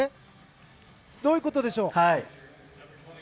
どういうことでしょう？